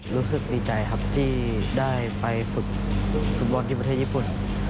รู้สึกดีใจครับที่ได้ไปฝึกฟุตบอลที่ประเทศญี่ปุ่น